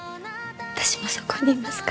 私もそこにいますから。